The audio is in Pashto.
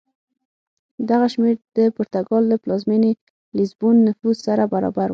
دغه شمېر د پرتګال له پلازمېنې لېزبون نفوس سره برابر و.